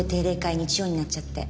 日曜になっちゃって。